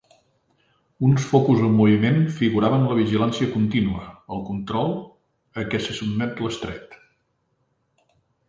Uns focus en moviment figuraven la vigilància contínua, el control, a què se sotmet l'Estret.